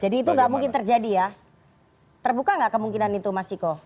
jadi itu gak mungkin terjadi ya terbuka gak kemungkinan itu mas siko